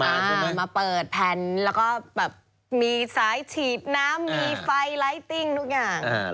คือเหมือนมาเปิดแผ่นแล้วก็แบบมีสายฉีดน้ำมีไฟไลทติ้งทุกอย่าง